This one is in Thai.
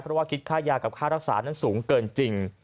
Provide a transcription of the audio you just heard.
เพราะว่าคิดค่ายากับค่ารักษานั้นสูงเกินจริง